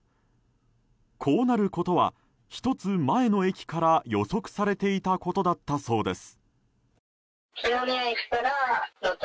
こうなることは１つ前の駅から予測されていたことだったそうです。